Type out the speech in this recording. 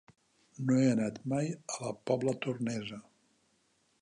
No he anat mai a la Pobla Tornesa.